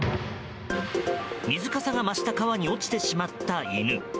水かさが増した川に落ちてしまった犬。